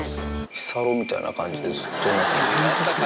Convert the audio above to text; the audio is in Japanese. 日サロみたいな感じでずっといますよね。